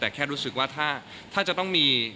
แต่แค่รู้สึกว่าถ้าจะต้องมี